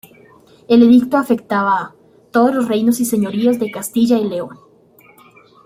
El edicto afectaba a "todos los reinos y señoríos de Castilla y León".